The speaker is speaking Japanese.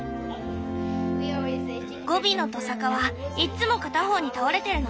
ゴビのトサカはいっつも片方に倒れてるの。